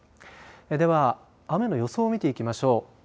では雨の予想を見ていきましょう。